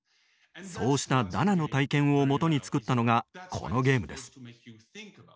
そうしたダナの体験をもとに作ったのがこのゲームです。